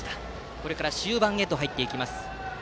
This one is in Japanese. これから終盤へと入っていきます。